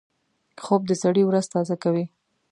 خوب د سړي ورځ تازه کوي